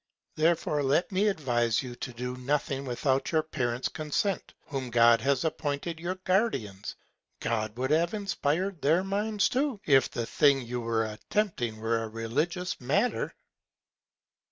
Therefore let me advise you to do nothing without your Parents Consent, whom God has appointed your Guardians. God would have inspired their Minds too, if the Thing you were attempting were a religious Matter.